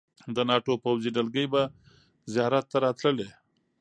د ناټو پوځي دلګۍ به زیارت ته راتللې.